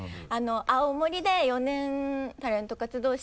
青森で４年タレント活動して。